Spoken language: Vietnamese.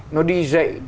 nó đi dạy